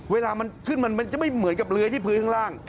เวลามันขึ้นมันจะไม่เหมือนกับเลื้อยที่พื้นข้างล่าง